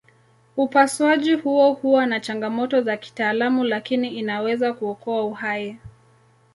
Upasuaji huo huwa na changamoto za kitaalamu lakini inaweza kuokoa uhai.